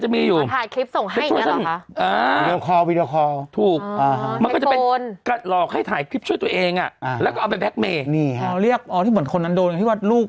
ชอบนักคลิปอ่ะคลิปช่วยตัวเองมันจะมีอยู่